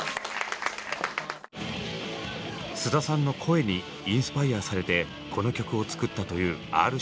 菅田さんの声にインスパイアされてこの曲を作ったというＲ−指定さん。